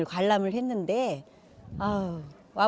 kita datang ke sekolah